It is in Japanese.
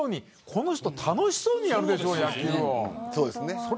この人楽しそうにやるでしょ、野球を。